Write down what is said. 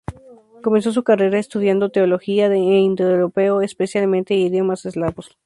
Comenzó su carrera estudiando teología e indoeuropeo, especialmente idiomas eslavos.